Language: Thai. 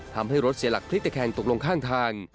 ทำให้รถเสียหลักพลิกตะแคงตกลงข้างทาง